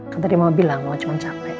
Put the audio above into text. kan tadi mama bilang mau cuma capek